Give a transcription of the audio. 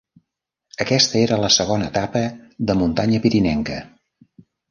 Aquesta era la segona etapa de muntanya pirinenca.